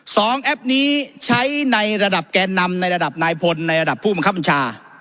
แอปนี้ใช้ในระดับแกนนำในระดับนายพลในระดับผู้บังคับบัญชา